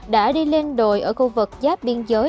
đã đi lên đồi ở khu vực giáp biên giới